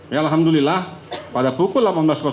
ya alhamdulillah pada pukul delapan belas